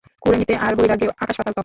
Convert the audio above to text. কুঁড়েমিতে আর বৈরাগ্যে আকাশ-পাতাল তফাত।